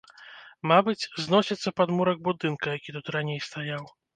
Мабыць, зносіцца падмурак будынка, які тут раней стаяў.